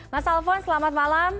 mas alphonse selamat malam